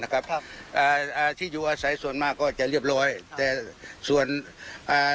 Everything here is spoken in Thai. ครับครับอ่าอ่าที่อยู่อาศัยส่วนมากก็จะเรียบร้อยแต่ส่วนอ่า